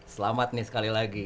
selamat nih sekali lagi